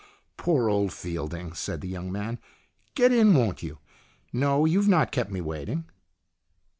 " Poor old Fielding !" said the young man. "Get in, won't you? No, you've not kept me waiting."